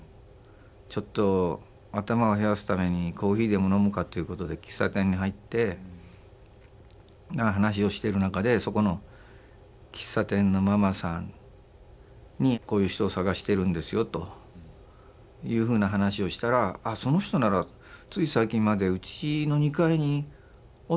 ちょっと頭を冷やすためにコーヒーでも飲むかということで喫茶店に入って話をしてる中でそこの喫茶店のママさんにこういう人を捜してるんですよというふうな話をしたら「その人ならつい最近までうちの２階におったとよ」というふうなね。